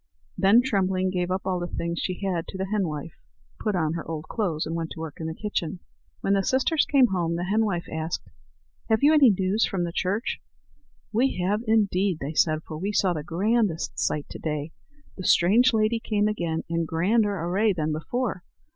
Then Trembling gave up all the things she had to the henwife, put on her old clothes, and went to work in the kitchen. When the sisters came home, the henwife asked: "Have you any news from the church?" "We have indeed," said they, "for we saw the grandest sight to day. The strange lady came again, in grander array than before.